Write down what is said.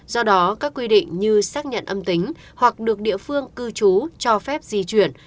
do đó các quy định như xác nhận âm tính hoặc được địa phương cư trú cho phép di chuyển